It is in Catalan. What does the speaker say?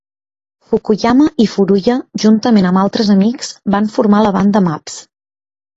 Fukuyama i Furuya, juntament amb altres amics, van formar la banda Maps.